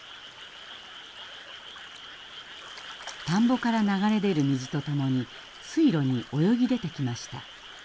田んぼから流れ出る水とともに水路に泳ぎ出てきました。